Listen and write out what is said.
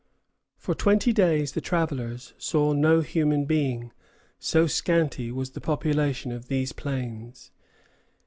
] For twenty days the travellers saw no human being, so scanty was the population of these plains.